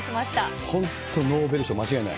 本当、ノーベル賞間違いない。